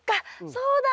そうだ！